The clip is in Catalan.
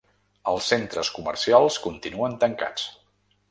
Els centres comercials continuen tancats.